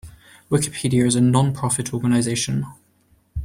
Wikipedia is a non-profit organization.